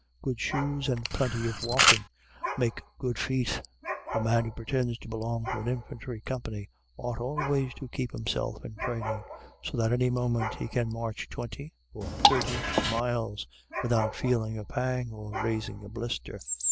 Good shoes and plenty of walking make good feet. A man who pretends to belong to an infantry company ought always to keep himself in training, so that any moment he can march twenty or thirty miles without feeling a pang or raising a blister.